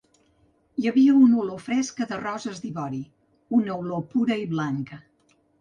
Hi havia una olor fresca de roses d'ivori: una olor pura i blanca.